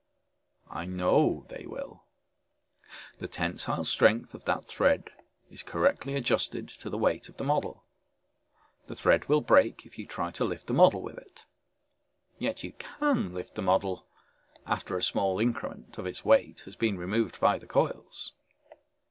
"I know they will. The tensile strength of that thread is correctly adjusted to the weight of the model. The thread will break if you try to lift the model with it. Yet you can lift the model after a small increment of its weight has been removed by the coils.